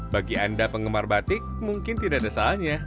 bagi anda penggemar batik mungkin tidak ada salahnya